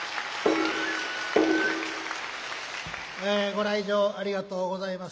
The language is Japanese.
ご来場ありがとうございます。